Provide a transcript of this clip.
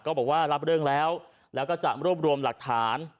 ก็บอกว่ารับเรื่องแล้วแล้วก็จะรวบรวมหลักฐาน